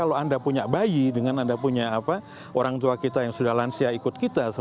kalau anda punya bayi dengan anda punya orang tua kita yang sudah lansia ikut kita